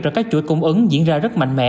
cho các chuỗi cung ứng diễn ra rất mạnh mẽ